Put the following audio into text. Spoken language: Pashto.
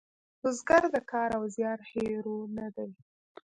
بزګر د کار او زیار هیرو نه دی